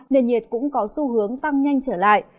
nền nhiệt cũng có xu hướng tăng nhanh trở lại